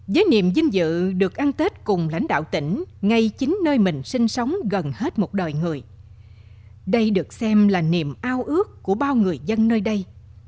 với niềm vinh dự được ăn tết cùng lãnh đạo tỉnh ngay chính nơi mình sinh sống gần hết một đời người đây được xem là niềm ao ước của bao người dân nơi đây